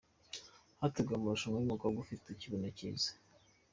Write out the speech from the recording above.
Hateguwe amarushanwa y’umukobwa ufite ikibuno cyiza